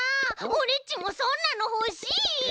オレっちもそんなのほしい！